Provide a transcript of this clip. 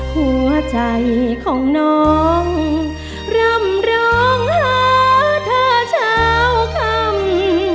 หัวใจของน้องร่ำร้องหาเธอเช้าคำ